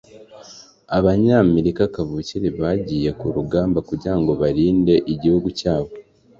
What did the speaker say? abanyamerika kavukire bagiye kurugamba kugirango barinde ibihugu byabo